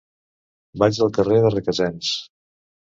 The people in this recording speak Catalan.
Vaig al carrer de Requesens.